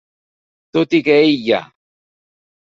Tot i que Hey Ya!